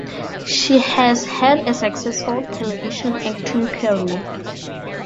She has had a successful television acting career.